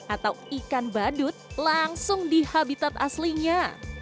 atau ikan badut langsung di habitat aslinya